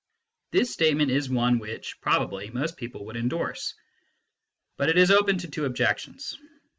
This statement is one which, probably, most people would endorse. But it is open to two objections.